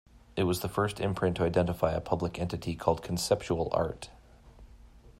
It was the first imprint to identify a public entity called Conceptual Art.